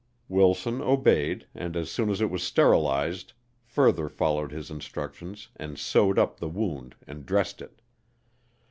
Wilson obeyed and, as soon as it was sterilized, further followed his instructions and sewed up the wound and dressed it.